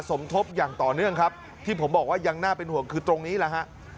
สมทบอย่างต่อเนื่องครับที่ผมบอกว่ายังน่าเป็นห่วงคือตรงนี้แหละฮะ